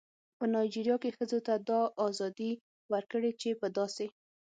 په نایجیریا کې ښځو ته دا ازادي ورکړې چې په داسې